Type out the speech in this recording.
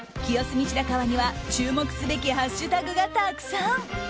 清澄白河には注目すべきハッシュタグがたくさん。